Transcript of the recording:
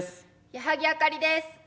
矢作あかりです。